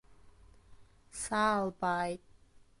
Саалбааит.